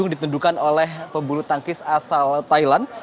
yang ditentukan oleh pembuluh tankis asal thailand